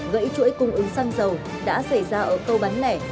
gãy chuỗi cung ứng xăng dầu đã xảy ra ở câu bán lẻ